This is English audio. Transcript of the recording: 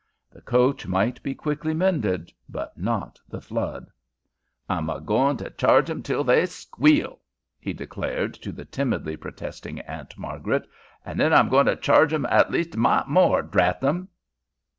The coach might be quickly mended, but not the flood. "I'm a goin' t' charge 'em till they squeal," he declared to the timidly protesting Aunt Margaret, "an' then I'm goin' t' charge 'em a least mite more, drat 'em!"